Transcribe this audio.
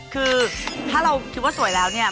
คือถ้าเราคิดว่าสวยแล้วเนี่ย